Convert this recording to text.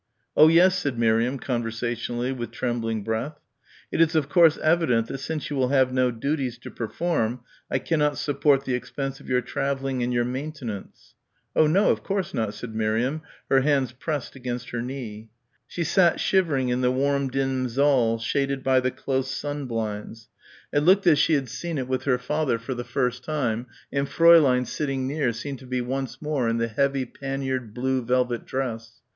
"Oh yes," said Miriam conversationally, with trembling breath. "It is of course evident that since you will have no duties to perform, I cannot support the expense of your travelling and your maintenance." "Oh no, of course not," said Miriam, her hands pressed against her knee. She sat shivering in the warm dim saal shaded by the close sun blinds. It looked as she had seen it with her father for the first time and Fräulein sitting near seemed to be once more in the heavy panniered blue velvet dress.